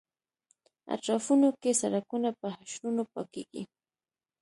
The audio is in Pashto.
اطرافونو کې سړکونه په حشرونو پاکېږي.